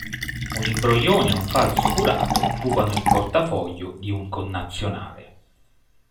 Un imbroglione e un falso curato rubano il portafoglio di un connazionale.